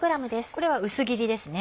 これは薄切りです。